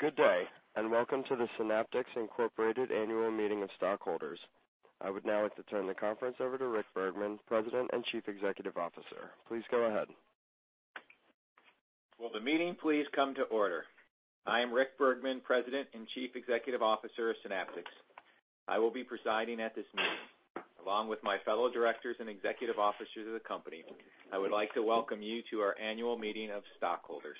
Good day, and welcome to the Synaptics Incorporated annual meeting of stockholders. I would now like to turn the conference over to Rick Bergman, President and Chief Executive Officer. Please go ahead. Will the meeting please come to order? I am Rick Bergman, President and Chief Executive Officer of Synaptics. I will be presiding at this meeting. Along with my fellow directors and executive officers of the company, I would like to welcome you to our annual meeting of stockholders.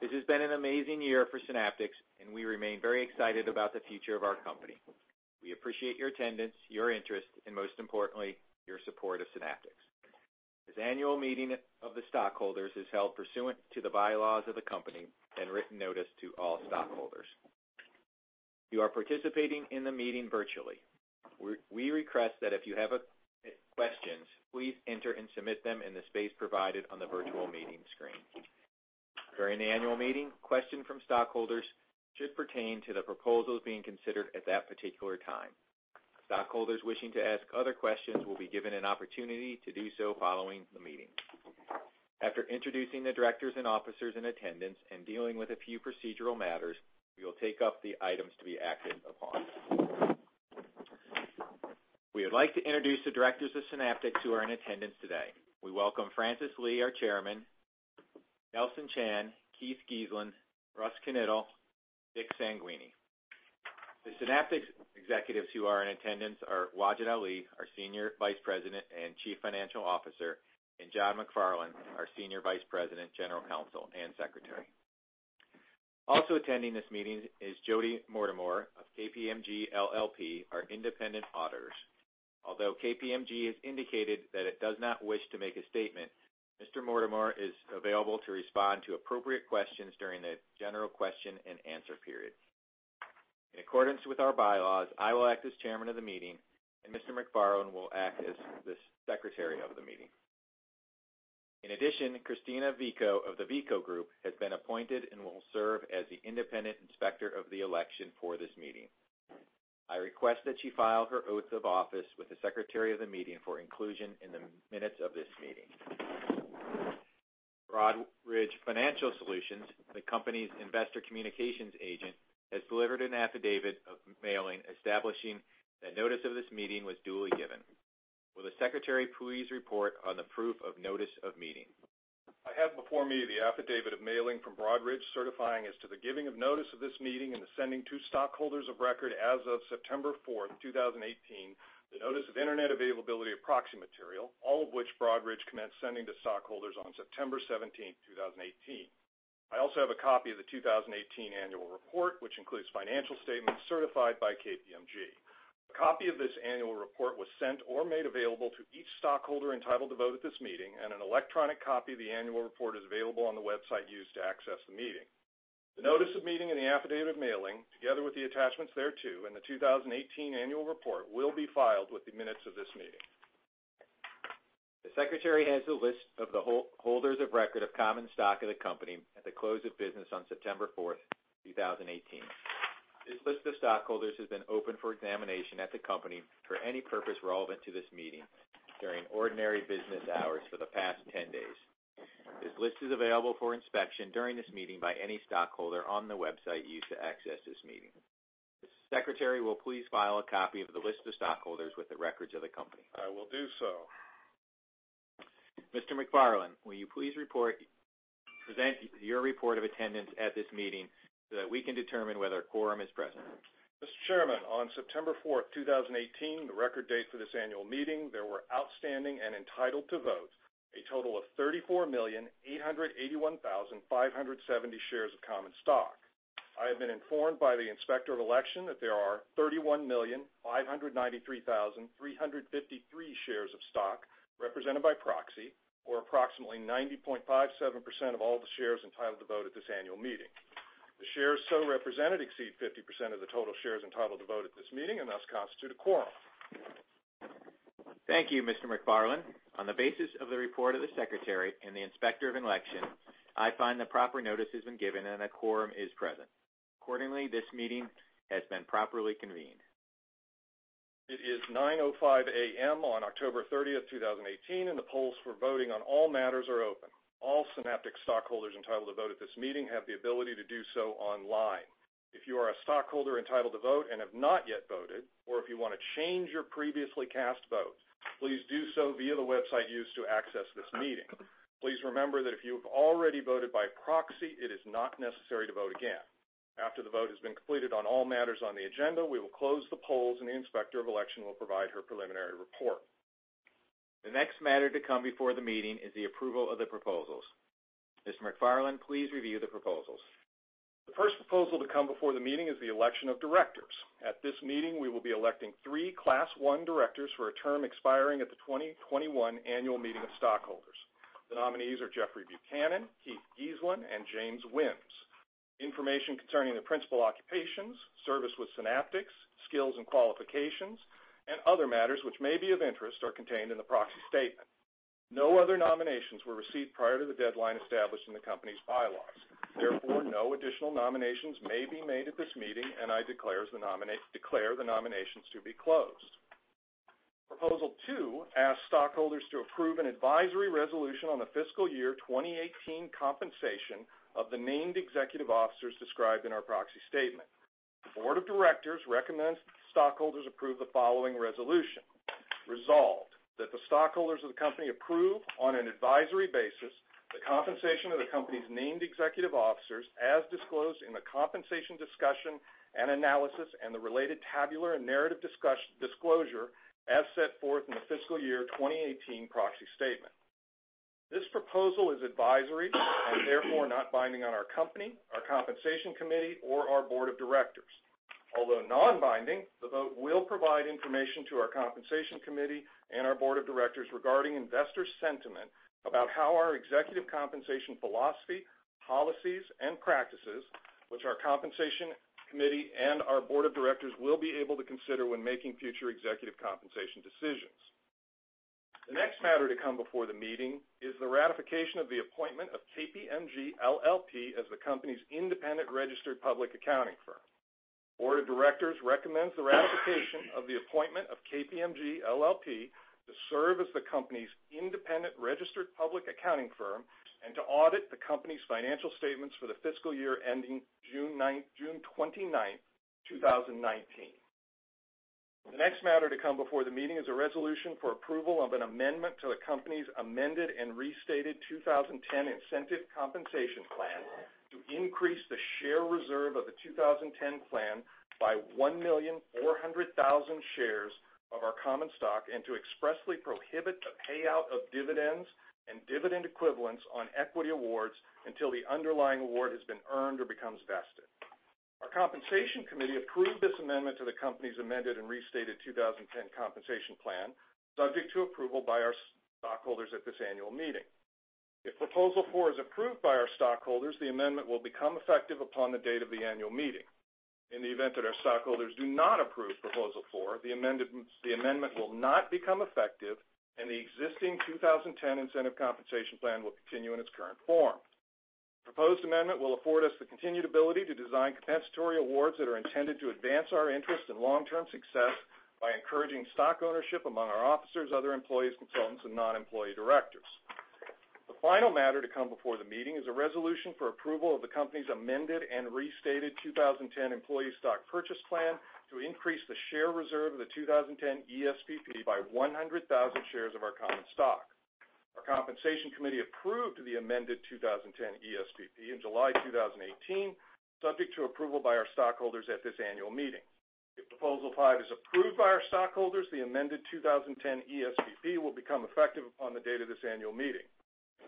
This has been an amazing year for Synaptics, and we remain very excited about the future of our company. We appreciate your attendance, your interest, and most importantly, your support of Synaptics. This annual meeting of the stockholders is held pursuant to the bylaws of the company and written notice to all stockholders. You are participating in the meeting virtually. We request that if you have questions, please enter and submit them in the space provided on the virtual meeting screen. During the annual meeting, questions from stockholders should pertain to the proposals being considered at that particular time. Stockholders wishing to ask other questions will be given an opportunity to do so following the meeting. After introducing the directors and officers in attendance and dealing with a few procedural matters, we will take up the items to be acted upon. We would like to introduce the directors of Synaptics who are in attendance today. We welcome Francis Lee, our chairman, Nelson Chan, Keith Geeslin, Russ Knittle, Dick Sanquini. The Synaptics executives who are in attendance are Wajid Ali, our Senior Vice President and Chief Financial Officer, and John McFarland, our Senior Vice President, General Counsel, and Secretary. Also attending this meeting is Jody Mortimore of KPMG LLP, our independent auditors. Although KPMG has indicated that it does not wish to make a statement, Mr. Mortimore is available to respond to appropriate questions during the general question and answer period. In accordance with our bylaws, I will act as chairman of the meeting, and Mr. McFarland will act as the secretary of the meeting. In addition, Christina Vico of the Vico Group has been appointed and will serve as the independent inspector of the election for this meeting. I request that she file her oaths of office with the secretary of the meeting for inclusion in the minutes of this meeting. Broadridge Financial Solutions, the company's investor communications agent, has delivered an affidavit of mailing establishing that notice of this meeting was duly given. Will the secretary please report on the proof of notice of meeting? I have before me the affidavit of mailing from Broadridge certifying as to the giving of notice of this meeting and the sending to stockholders of record as of September fourth, 2018, the notice of Internet availability of proxy material, all of which Broadridge commenced sending to stockholders on September seventeenth, 2018. I also have a copy of the 2018 annual report, which includes financial statements certified by KPMG. A copy of this annual report was sent or made available to each stockholder entitled to vote at this meeting, and an electronic copy of the annual report is available on the website used to access the meeting. The notice of meeting and the affidavit of mailing, together with the attachments thereto, and the 2018 annual report will be filed with the minutes of this meeting. The secretary has a list of the holders of record of common stock of the company at the close of business on September fourth, 2018. This list of stockholders has been open for examination at the company for any purpose relevant to this meeting during ordinary business hours for the past 10 days. This list is available for inspection during this meeting by any stockholder on the website used to access this meeting. The secretary will please file a copy of the list of stockholders with the records of the company. I will do so. Mr. McFarland, will you please present your report of attendance at this meeting so that we can determine whether a quorum is present? Mr. Chairman, on September fourth, 2018, the record date for this annual meeting, there were outstanding and entitled to vote a total of 34,881,570 shares of common stock. I have been informed by the Inspector of Election that there are 31,593,353 shares of stock represented by proxy, or approximately 90.57% of all the shares entitled to vote at this annual meeting. The shares so represented exceed 50% of the total shares entitled to vote at this meeting and thus constitute a quorum. Thank you, Mr. McFarland. On the basis of the report of the Secretary and the Inspector of Election, I find that proper notice has been given and a quorum is present. Accordingly, this meeting has been properly convened. It is 9:05 A.M. on October 30th, 2018, and the polls for voting on all matters are open. All Synaptics stockholders entitled to vote at this meeting have the ability to do so online. If you are a stockholder entitled to vote and have not yet voted, or if you want to change your previously cast vote, please do so via the website used to access this meeting. Please remember that if you have already voted by proxy, it is not necessary to vote again. After the vote has been completed on all matters on the agenda, we will close the polls, and the Inspector of Election will provide her preliminary report. The next matter to come before the meeting is the approval of the proposals. Mr. McFarland, please review the proposals. The first proposal to come before the meeting is the election of directors. At this meeting, we will be electing three Class I directors for a term expiring at the 2021 annual meeting of stockholders. The nominees are Jeffrey Buchanan, Keith Geeslin, and James Whims. Information concerning their principal occupations, service with Synaptics, skills and qualifications, and other matters which may be of interest are contained in the proxy statement. No other nominations were received prior to the deadline established in the company's bylaws. Therefore, no additional nominations may be made at this meeting, and I declare the nominations to be closed. Proposal two asks stockholders to approve an advisory resolution on the fiscal year 2018 compensation of the named executive officers described in our proxy statement. The board of directors recommends stockholders approve the following resolution. Resolved, that the stockholders of the company approve, on an advisory basis, the compensation of the company's named executive officers as disclosed in the compensation discussion and analysis and the related tabular and narrative disclosure as set forth in the fiscal year 2018 proxy statement. This proposal is advisory and therefore not binding on our company, our compensation committee, or our board of directors. Although non-binding, the vote will provide information to our compensation committee and our board of directors regarding investor sentiment about how our executive compensation philosophy, policies, and practices, which our compensation committee and our board of directors will be able to consider when making future executive compensation decisions. The next matter to come before the meeting is the ratification of the appointment of KPMG LLP as the company's independent registered public accounting firm. Board of directors recommends the ratification of the appointment of KPMG LLP to serve as the company's independent registered public accounting firm and to audit the company's financial statements for the fiscal year ending June 29th, 2019. The next matter to come before the meeting is a resolution for approval of an amendment to the company's amended and restated 2010 Incentive Compensation Plan to increase the share reserve of the 2010 plan by 1,400,000 shares of our common stock, and to expressly prohibit the payout of dividends and dividend equivalents on equity awards until the underlying award has been earned or becomes vested. Our compensation committee approved this amendment to the company's amended and restated 2010 Compensation Plan, subject to approval by our stockholders at this annual meeting. If Proposal 4 is approved by our stockholders, the amendment will become effective upon the date of the annual meeting. In the event that our stockholders do not approve Proposal 4, the amendment will not become effective and the existing 2010 Incentive Compensation Plan will continue in its current form. Proposed amendment will afford us the continued ability to design compensatory awards that are intended to advance our interest in long-term success by encouraging stock ownership among our officers, other employees, consultants, and non-employee directors. The final matter to come before the meeting is a resolution for approval of the company's amended and restated 2010 Employee Stock Purchase Plan to increase the share reserve of the 2010 ESPP by 100,000 shares of our common stock. Our Compensation Committee approved the amended 2010 ESPP in July 2018, subject to approval by our stockholders at this annual meeting. If Proposal 5 is approved by our stockholders, the amended 2010 ESPP will become effective upon the date of this annual meeting.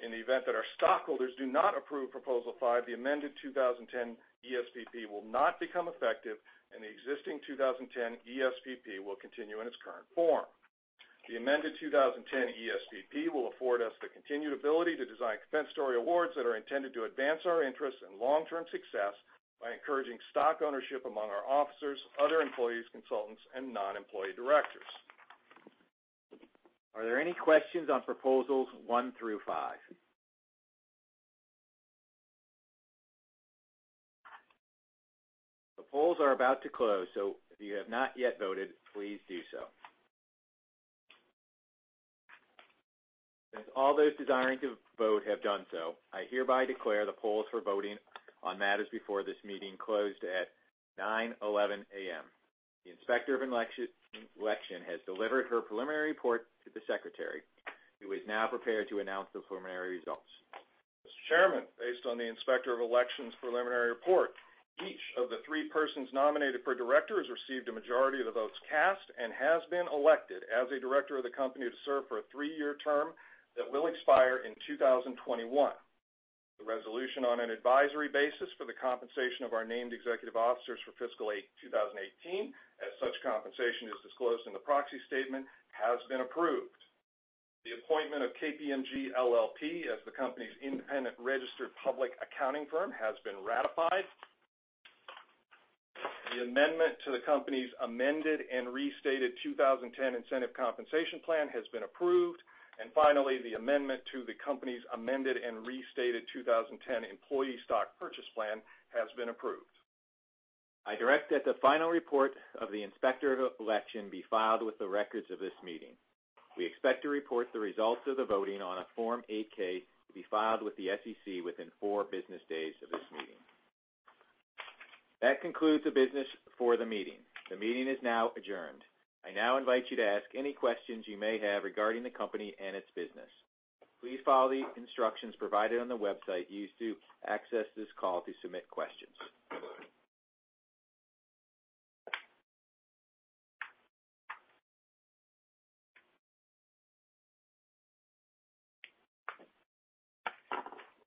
In the event that our stockholders do not approve Proposal five, the amended 2010 ESPP will not become effective and the existing 2010 ESPP will continue in its current form. The amended 2010 ESPP will afford us the continued ability to design compensatory awards that are intended to advance our interests in long-term success by encouraging stock ownership among our officers, other employees, consultants, and non-employee directors. Are there any questions on Proposals one through five? The polls are about to close, so if you have not yet voted, please do so. Since all those desiring to vote have done so, I hereby declare the polls for voting on matters before this meeting closed at 9:11 A.M. The Inspector of Election has delivered her preliminary report to the secretary, who is now prepared to announce the preliminary results. Mr. Chairman, based on the Inspector of Election's preliminary report, each of the three persons nominated for director has received a majority of the votes cast and has been elected as a director of the company to serve for a three-year term that will expire in 2021. The resolution on an advisory basis for the compensation of our named executive officers for fiscal 2018, as such compensation is disclosed in the proxy statement, has been approved. The appointment of KPMG LLP as the company's independent registered public accounting firm has been ratified. The amendment to the company's amended and restated 2010 Incentive Compensation Plan has been approved. Finally, the amendment to the company's amended and restated 2010 Employee Stock Purchase Plan has been approved. I direct that the final report of the Inspector of Election be filed with the records of this meeting. We expect to report the results of the voting on a Form 8-K to be filed with the SEC within four business days of this meeting. That concludes the business for the meeting. The meeting is now adjourned. I now invite you to ask any questions you may have regarding the company and its business. Please follow the instructions provided on the website used to access this call to submit questions.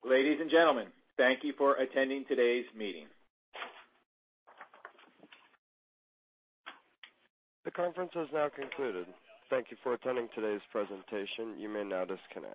Ladies and gentlemen, thank you for attending today's meeting. The conference has now concluded. Thank you for attending today's presentation. You may now disconnect.